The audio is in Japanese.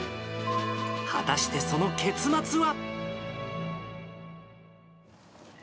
果たしてその結末は。